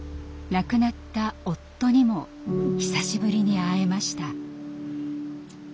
亡くなった夫にも久しぶりに会えました。